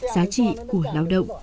giá trị của lao động